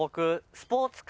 スポーツ科。